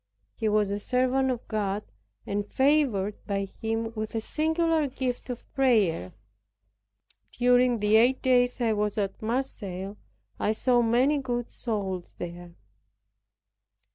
He was a servant of God, and favored by Him with a singular gift of prayer. During the eight days I was at Marseilles, I saw many good souls there.